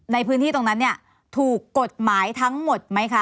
ในพื้นที่ตรงนั้นเนี่ยถูกกฎหมายทั้งหมดไหมคะ